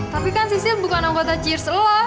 tapi kan si sil bukan anggota cheers lo